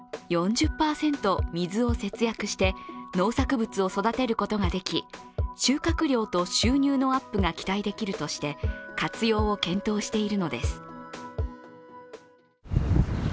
水を節約して農作物を育てることができ収穫量と収入のアップが期待できるとして活用を検討しているのです。